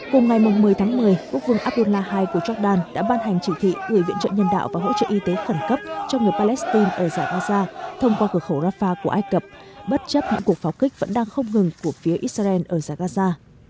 cùng ngày một mươi tháng một mươi quốc vương abdullah hai của jordan đã ban hành chỉ thị gửi viện trợ nhân đạo và hỗ trợ y tế khẩn cấp cho người palestine ở giải gaza thông qua cửa khẩu rafah của ai cập bất chấp những cuộc pháo kích vẫn đang không ngừng của phía israel ở giải gaza